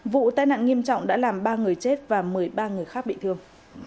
vụ tai nạn nghiêm trọng đã làm ba người chết và một mươi ba người khác bị thương